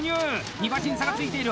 ２馬身、差がついている。